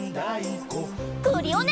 クリオネ！